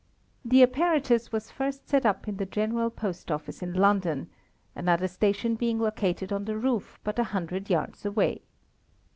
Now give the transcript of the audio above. The apparatus was first set up in the General Post office in London, another station being located on the roof but a hundred yards away.